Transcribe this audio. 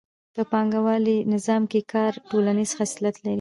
په پانګوالي نظام کې کار ټولنیز خصلت لري